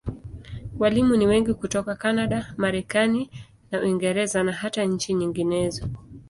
Walimu ni wengi hutoka Kanada, Marekani na Uingereza, na hata nchi nyinginezo.